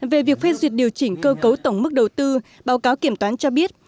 về việc phê duyệt điều chỉnh cơ cấu tổng mức đầu tư báo cáo kiểm toán cho biết